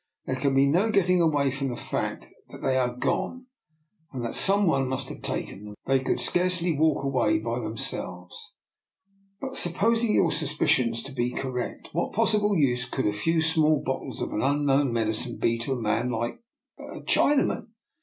There can be no getting away from the fact that they are gone, and that some one must have taken them. They could scarcely walk away by themselves." " But supposing your suspicions to be cor rect, what possible use could a few small bot tles of unknown medicine be to a man like that — a Chinaman?